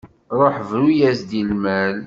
Ruḥ bru-yas-d i lmal.